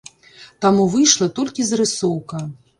Таму выйшла толькі зарысоўка.